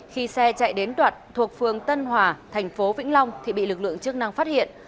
khi xe chạy đến đoạn thuộc phường tân hòa thành phố vĩnh long thì bị lực lượng chức năng phát hiện